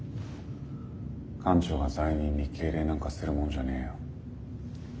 艦長が罪人に敬礼なんかするもんじゃねえよ。